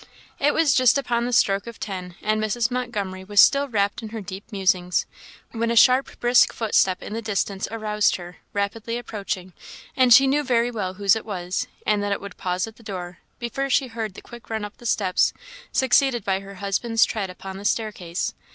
It was just upon the stroke of ten, and Mrs. Montgomery was still wrapped in her deep musings, when a sharp, brisk footstep in the distance aroused her, rapidly approaching; and she knew very well whose it was, and that it would pause at the door, before she heard the quick run up the steps, succeeded by her husband's tread upon the staircase.